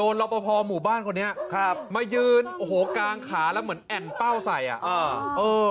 เจอพ่อหมู่บ้านคนนี้ไม่ยืนกลางขาแล้วเหมือนแอนเป้าใส่